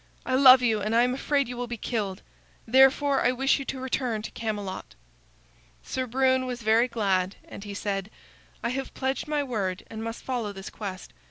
I love you and I am afraid you will be killed. Therefore, I wish you to return to Camelot." Sir Brune was very glad, and he said: "I have pledged my word and must follow this quest.